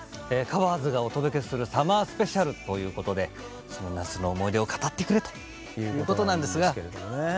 「ｔｈｅＣｏｖｅｒｓ」がお届けする「サマースペシャル」ということでその夏の思い出を語ってくれということなんですが。